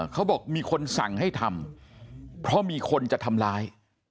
เขาบอกมีคนสั่งให้ทำเพราะมีคนจะทำร้าย